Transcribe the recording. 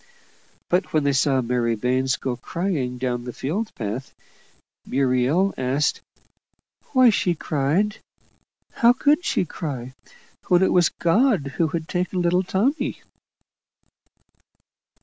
But when they saw Mary Baines go crying down the field path, Muriel asked "why she cried? how could she cry, when it was God who had taken little Tommy?"